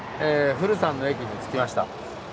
古山の駅に着きました。